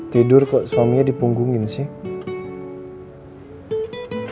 tidur kok suaminya dipunggungin sih